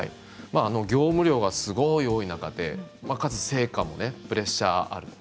業務量がすごい多い中でかつ成果も、プレッシャーある。